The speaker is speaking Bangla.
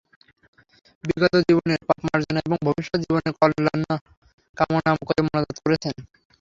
বিগত জীবনের পাপ মার্জনা এবং ভবিষ্যৎ জীবনের কল্যাণ কামনা করে মোনাজাত করেছেন।